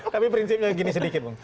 tapi prinsipnya gini sedikit